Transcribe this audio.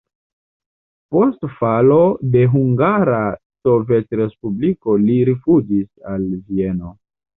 Post falo de Hungara Sovetrespubliko li rifuĝis al Vieno.